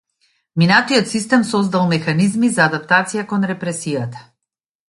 Минатиот систем создал механизми за адаптација кон репресијата.